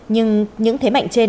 nhưng những thế mạnh trên